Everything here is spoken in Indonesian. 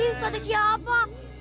ih kata siapa